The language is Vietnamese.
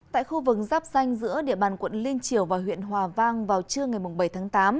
tại khu vực giáp xanh giữa địa bàn quận liên triều và huyện hòa vang vào trưa ngày bảy tháng tám